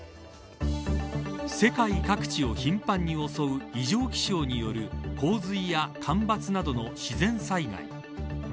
世界各地を頻繁に襲う異常気象による洪水や干ばつなどの自然災害。